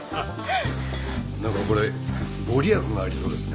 なんかこれ御利益がありそうですね。